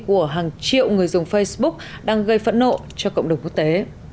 của hàng triệu người dùng facebook đang gây phẫn nộ cho cộng đồng quốc tế